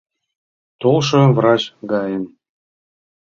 Толшо врач гайым.